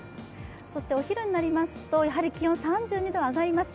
そしてお昼になりますと、気温、３２度と上がります。